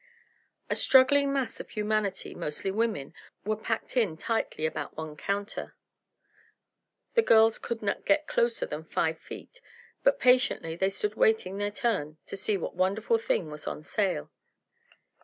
A struggling mass of humanity, mostly women, were packed in tightly about one counter. The girls could not get closer than five feet, but patiently they stood waiting their turn to see what wonderful thing was on sale.